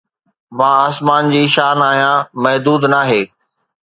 مان آسمان جي شان آهيان، محدود ناهي